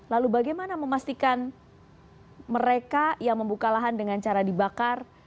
lalu bagaimana memastikan mereka yang membuka lahan dengan cara dibakar